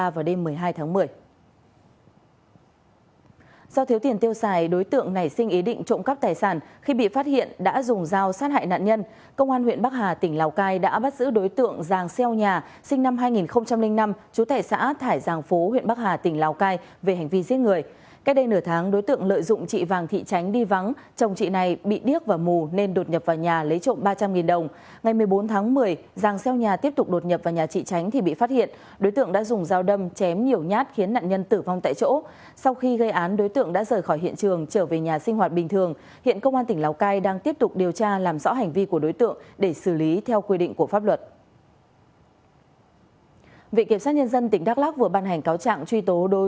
vị kiểm soát nhân dân tỉnh đắk lắc vừa ban hành cáo trạng truy tố đối với bị can long thanh tú hai mươi chín tuổi chú tại quận bình thạnh tp hcm về tội giết người